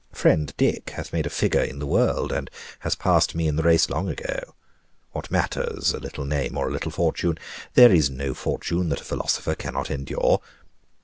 Friend Dick hath made a figure in the world, and has passed me in the race long ago. What matters a little name or a little fortune? There is no fortune that a philosopher cannot endure.